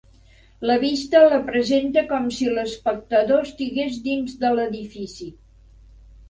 La vista la presenta com si l'espectador estigués dins de l'edifici.